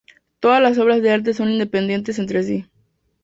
Todas las obras de arte son independientes entre sí.